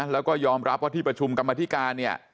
แล้วก็ยอมรับว่าที่ประชุมกรรมธิการเนี่ย